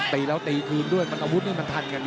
ตีแล้วตีคืนด้วยมันอาวุธนี่มันทันกันนะ